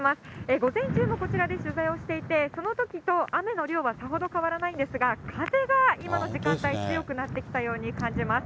午前中もこちらで取材をしていて、そのときと雨の量はさほど変わらないんですが、風が今の時間帯、強くなってきたように感じます。